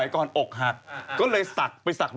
ก็เลยไปสัก